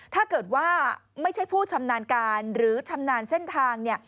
ถ้าเกิดว่าไม่ใช่ผู้ชำนาญการหรือชำนาญเส้นทาง